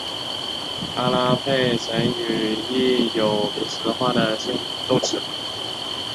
阿拉佩什语亦有名词化的动词。